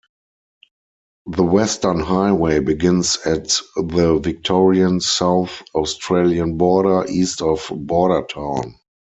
The Western Highway begins at the Victorian-South Australian border, east of Bordertown.